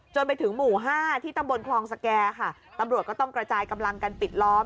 จนถึงหมู่ห้าที่ตำบลคลองสแก่ค่ะตำรวจก็ต้องกระจายกำลังกันปิดล้อม